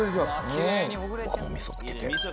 このみそつけて。